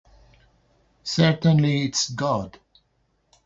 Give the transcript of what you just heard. Certainly, it's God.